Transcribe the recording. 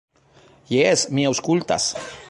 "Jes, mi aŭskultas."